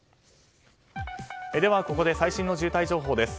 ここで最新の渋滞情報です。